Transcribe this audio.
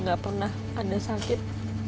nggak pernah ada sakit